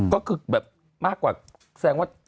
ก็คือแบบมากกว่าแสดงว่า